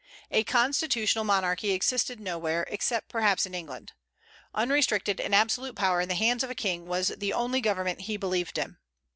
A constitutional monarchy existed nowhere, except perhaps in England. Unrestricted and absolute power in the hands of a king was the only government he believed in.